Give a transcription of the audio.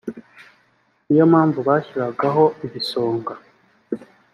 ni yo mpamvu bashyiragaho ibisonga